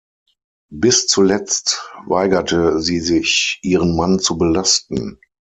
Bis zuletzt weigerte sie sich, ihren Mann zu belasten.